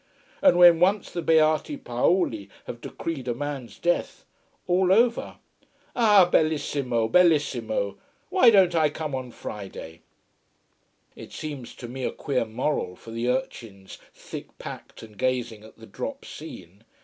And when once the Beati Paoli have decreed a man's death all over. Ah bellissimo, bellissimo! Why don't I come on Friday? It seems to me a queer moral for the urchins thick packed and gazing at the drop scene.